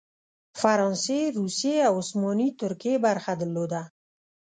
فرانسې، روسیې او عثماني ترکیې برخه درلوده.